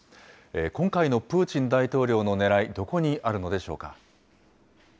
今回のプーチン大統領のねらい、どこにあるのでしょうか。